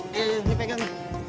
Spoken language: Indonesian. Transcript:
iya ini pegang